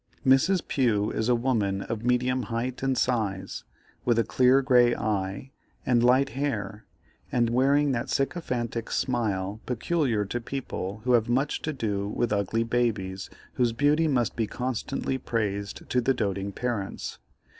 Mrs. Pugh is a woman of medium height and size, with a clear grey eye, and light hair, and wearing that sycophantic smile peculiar to people who have much to do with ugly babies whose beauty must be constantly praised to the doting parents.